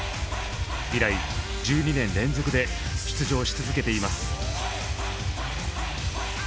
以来１２年連続で出場し続けています。